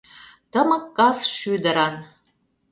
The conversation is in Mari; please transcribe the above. Тымык кас шӱдыран.